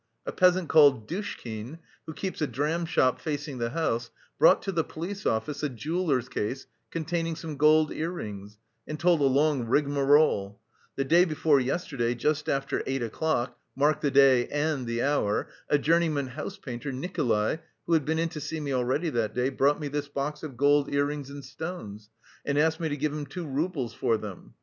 A peasant called Dushkin, who keeps a dram shop facing the house, brought to the police office a jeweller's case containing some gold ear rings, and told a long rigamarole. 'The day before yesterday, just after eight o'clock' mark the day and the hour! 'a journeyman house painter, Nikolay, who had been in to see me already that day, brought me this box of gold ear rings and stones, and asked me to give him two roubles for them.